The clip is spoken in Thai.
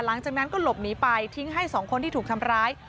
หลังจากนั้นก็หลบหนีไปทิ้งให้สองคนที่ถูกทำร้าย